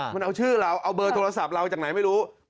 มันเอาชื่อเราเอาเบอร์โทรศัพท์เราจากไหนไม่รู้